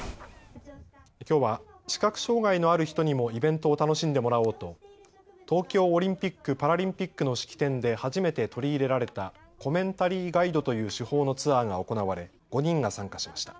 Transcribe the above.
きょうは、視覚障害のある人にもイベントを楽しんでもらおうと、東京オリンピック・パラリンピックの式典で初めて取り入れられたコメンタリーガイドという手法のツアーが行われ、５人が参加しました。